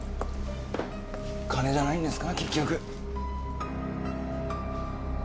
金じゃないんですか結局。